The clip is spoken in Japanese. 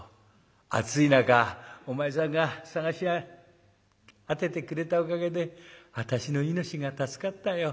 暑い中お前さんが探し当ててくれたおかげで私の命が助かったよ」。